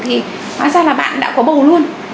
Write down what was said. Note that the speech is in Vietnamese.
thì hóa ra là bạn đã có bầu luôn